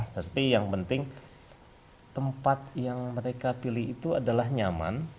tapi yang penting tempat yang mereka pilih itu adalah nyaman